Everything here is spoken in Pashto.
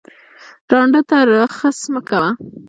ړانده ته رخس مه کوه